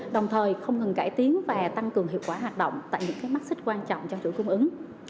đồng thời không ngừng cải tiến và tăng cường hiệu quả hoạt động tại những mắt xích quan trọng trong chuỗi cung ứng